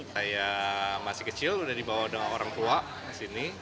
saya masih kecil udah dibawa dengan orang tua ke sini